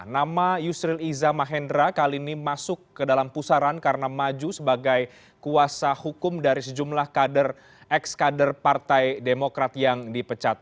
nama yusril iza mahendra kali ini masuk ke dalam pusaran karena maju sebagai kuasa hukum dari sejumlah kader ex kader partai demokrat yang dipecat